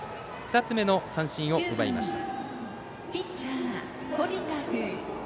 ２つ目の三振を奪いました。